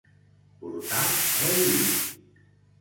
Portar molt vi.